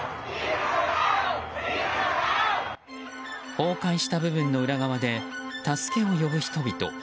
崩壊した部分の裏側で助けを呼ぶ人々。